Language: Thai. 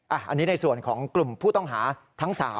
อันนี้ในส่วนของกลุ่มผู้ต้องหาทั้ง๓